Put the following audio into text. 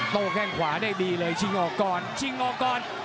แข้งขวาได้ดีเลยชิงออกก่อนชิงออกก่อน